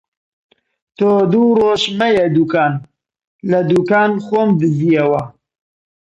تۆ دوو ڕۆژ مەیە دووکان! لە دووکان خۆم دزییەوە